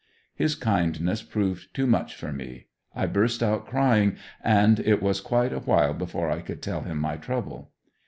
His kindness proved too much for me, I burst out crying and it was quite awhile before I could tell him my trouble.